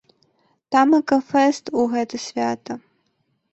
Тамака фэст у гэта свята.